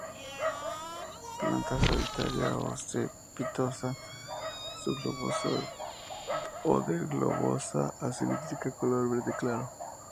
Planta solitaria o cespitosa, subglobosa o de globosa a cilíndrica, color verde claro.